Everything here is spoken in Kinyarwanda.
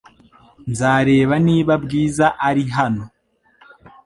Nzareba niba Bwiza ari hano .